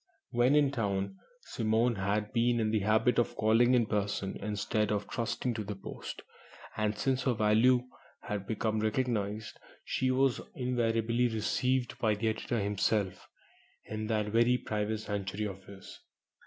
When in town, Simone had been in the habit of calling in person instead of trusting to the post, and since her value had become recognized, she was invariably received by the editor himself in that very private sanctuary of his.